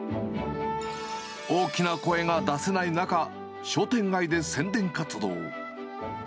大きな声が出せない中、商店街で宣伝活動。